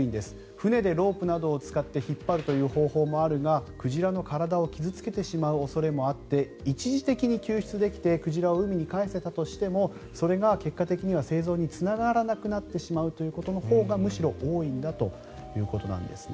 船でロープなどを使って引っ張るという方法があるが鯨の体を傷付けてしまう恐れもあって一時的に救出できて鯨を海に帰せたとしてもそれが結果的には生存につながらなくなってしまうことのほうがむしろ多いんだということです。